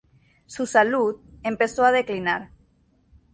Su salud empezó a declinar.